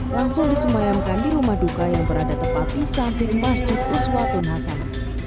langsung disemayamkan di rumah duka yang berada tepat di samping masjid uswatun hasan